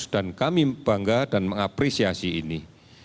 kami bangga dan mengapresiasi ini